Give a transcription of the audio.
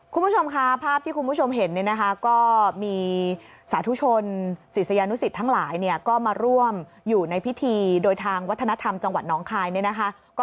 คุณผู้ชมค่ะภาพที่คุณผู้ชมเห็นเนี่ยนะคะก็มีสาธุชนศิษยานุสิตทั้งหลายเนี่ยก็มาร่วมอยู่ในพิธีโดยทางวัฒนธรรมจังหวัดน้องคายเนี่ยนะคะ